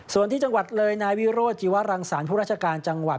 ส่วนที่จังหวัดเลยนายวิโรธจีวรังสารผู้ราชการจังหวัด